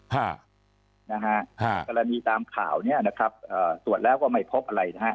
นะฮะกรณีตามข่าวเนี้ยนะครับเอ่อตรวจแล้วก็ไม่พบอะไรนะฮะ